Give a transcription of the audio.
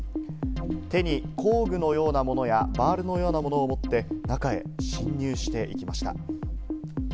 手に工具のようなものやバールのようなものを持って中へ侵入していきました。